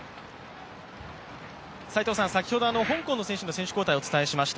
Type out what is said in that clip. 先ほど香港の選手交代をお伝えしました。